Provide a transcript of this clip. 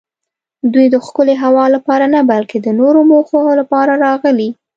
دوی د ښکلې هوا لپاره نه بلکې د نورو موخو لپاره راغلي.